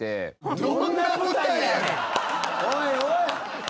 おいおい！